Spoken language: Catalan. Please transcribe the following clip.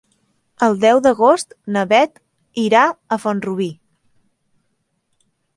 El deu d'agost na Beth irà a Font-rubí.